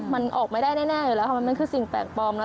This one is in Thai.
มันออกไม่ได้แน่อยู่แล้วค่ะมันคือสิ่งแปลกปลอมแล้ว